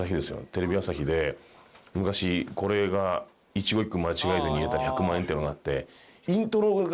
テレビ朝日で昔「これが一言一句間違えずに言えたら１００万円」っていうのがあって。